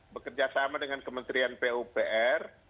bekerja sama dengan kementerian pupr